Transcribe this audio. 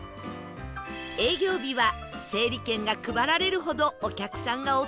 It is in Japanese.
営業日は整理券が配られるほどお客さんが訪れる人気店